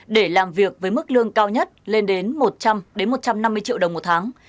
để làm việc với mức lương cao nhất lên đến một trăm linh một trăm năm mươi triệu đồng một tháng